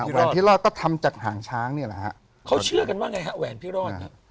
แหวนพิรอดก็ทำจากหางช้างเนี่ยแหละฮะเขาเชื่อกันว่าไงฮะแหวนพิรอดเนี่ย